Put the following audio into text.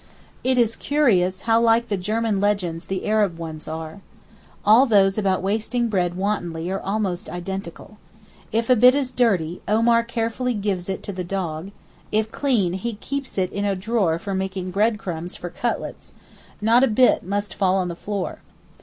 It is curious how like the German legends the Arab ones are. All those about wasting bread wantonly are almost identical. If a bit is dirty, Omar carefully gives it to the dog; if clean, he keeps it in a drawer for making breadcrumbs for cutlets; not a bit must fall on the floor.